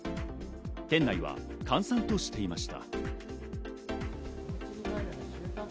店内は閑散としていました。